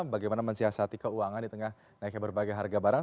bagaimana mensiasati keuangan di tengah naiknya berbagai harga barang